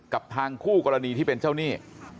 กับทางคู่กรณีที่เป็นเจ้าหนี้